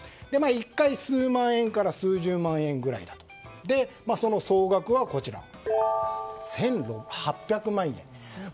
１回数万円から数十万円ぐらいでその総額は１８００万円。